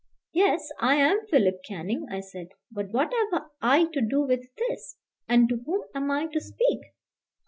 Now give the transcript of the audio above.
"Yes; I am Philip Canning," I said; "but what have I to do with this? and to whom am I to speak?"